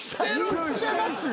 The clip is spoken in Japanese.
してます。